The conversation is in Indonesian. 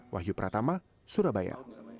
wahyu pratama surabaya